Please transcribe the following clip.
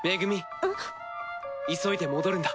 ア！急いで戻るんだ。